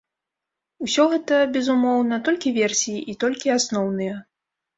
Усё гэта, безумоўна, толькі версіі, і толькі асноўныя.